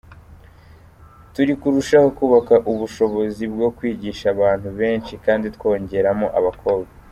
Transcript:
Turi kurushaho kubaka ubushobozi bwo kwigisha abantu benshi kandi twongeramo abakobwa.